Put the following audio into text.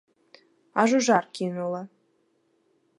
Аж у жар кінула.